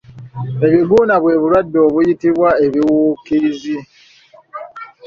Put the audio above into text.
Ebiguuna bwe bulwadde obiyitibwa ebiwukiizi.